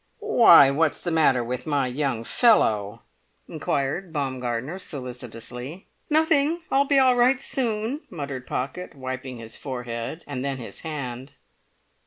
"Why, what's the matter with my young fellow?" inquired Baumgartner, solicitously. "Nothing! I'll be all right soon," muttered Pocket, wiping his forehead and then his hand.